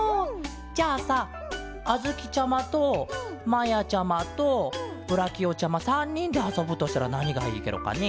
じゃあさあづきちゃまとまやちゃまとブラキオちゃま３にんであそぶとしたらなにがいいケロかね？